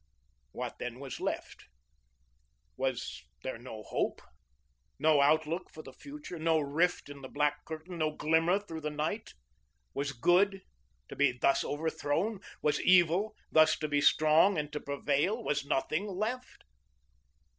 What then was left? Was there no hope, no outlook for the future, no rift in the black curtain, no glimmer through the night? Was good to be thus overthrown? Was evil thus to be strong and to prevail? Was nothing left?